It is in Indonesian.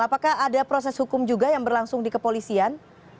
apakah ada proses hukum juga yang berlangsung di kepolisian